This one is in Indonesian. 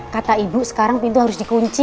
kata ibu sekarang pintu harus dikunci